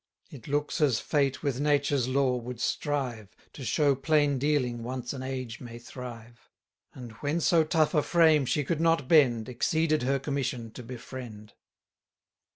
It looks as fate with nature's law would strive, To show plain dealing once an age may thrive: And, when so tough a frame she could not bend, Exceeded her commission to befriend.